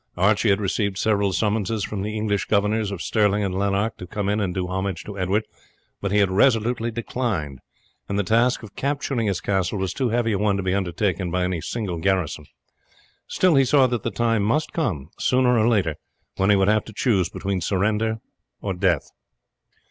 Archie had received several summonses from the English governors of Stirling and Lanark to come in and do homage to Edward, but he had resolutely declined, and the task of capturing his castle was too heavy a one to be undertaken by any single garrison; still he saw that the time must come, sooner or later, when he would have to choose between surrender and death.